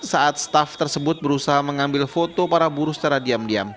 saat staff tersebut berusaha mengambil foto para buruh secara diam diam